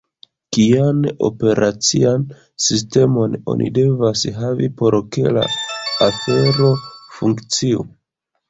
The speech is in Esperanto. Kian operacian sistemon oni devas havi por ke la afero funkciu?